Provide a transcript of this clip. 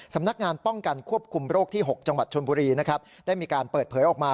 สำนักงานป้องกันควบคุมโรคที่๖จังหวัดชนบุรีนะครับได้มีการเปิดเผยออกมา